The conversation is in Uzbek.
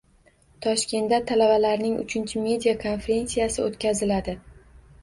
Toshkentda talabalarning uchinchi media-konferensiyasi o‘tkaziladi